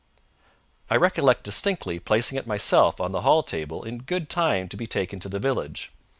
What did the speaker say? "I recollect distinctly placing it myself on the hall table in good time to be taken to the village.